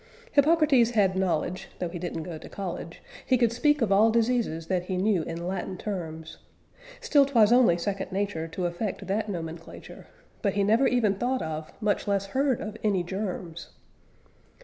Hippocrates had knowledge, though he didn't go to college; he could speak of all diseases that he knew, in Latin terms (Still, 'twas only second nature to affect that nomenclature), but he never even thought of, much less heard of, any germs.